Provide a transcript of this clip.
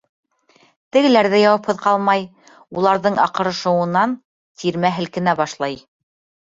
Тегеләр ҙә яуапһыҙ ҡалмай, уларҙың аҡырышыуынан тирмә һелкенә башлай.